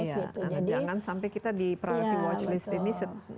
jangan sampai kita di prati watch list ini